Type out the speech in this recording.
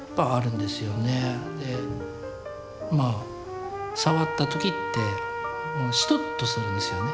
でまあ触った時ってシトッとするんですよね